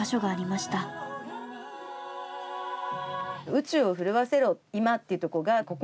「宇宙を震わせろ今」っていうとこがここものすごい